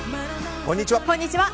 こんにちは。